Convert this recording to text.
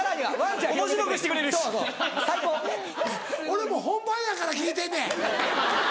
俺も本番やから聞いてんねん！